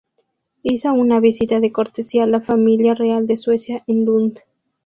Hizo una visita de cortesía a la familia real de Suecia en Lund.